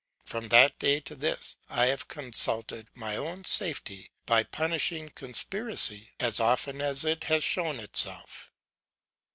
From that day to this, I have consulted my own safety by punishing conspiracy as often as it has shown itself.